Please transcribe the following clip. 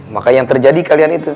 maka yang terjadi kalian itu